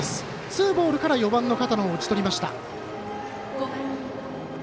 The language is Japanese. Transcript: ツーボールから４番の片野を打ち取りました。